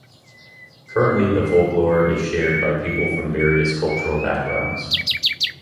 Currently the folklore is shared by people from various cultural backgrounds.